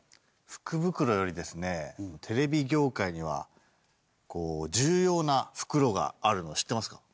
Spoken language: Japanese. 福袋よりですねテレビ業界にはこう重要な袋があるのを知ってますか？